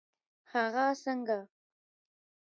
هغه څنګه؟